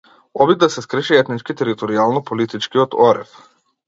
Обид да се скрши етнички територијално политичкиот орев.